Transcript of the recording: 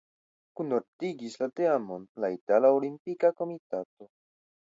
Kunordigis la teamon la Itala Olimpika Komitato.